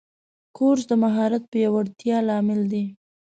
کورس د مهارت پیاوړتیا لامل دی.